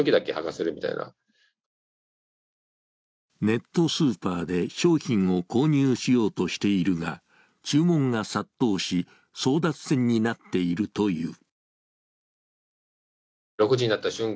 ネットスーパーで商品を購入しようとしているが注文が殺到し、争奪戦になっているという。